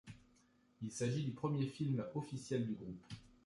Il s'agit du premier film officiel du groupe.